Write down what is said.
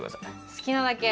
好きなだけ。